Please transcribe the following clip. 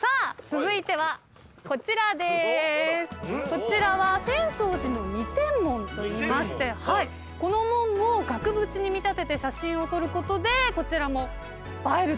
こちらは浅草寺の二天門といいましてこの門を額縁に見立てて写真を撮ることでこちらも映えるという。